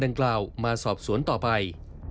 ก็ต้องกล่าวมาสอบสวนต่อไป